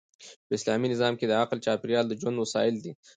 په اسلامي نظام کښي د عقل چاپېریال د ژوند وسایل يي.